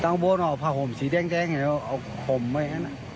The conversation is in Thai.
ตั้งบนออกผ่าโหมสีแดงขมไว้